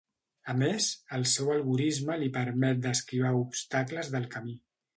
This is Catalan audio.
A més, el seu algorisme li permet d’esquivar obstacles del camí.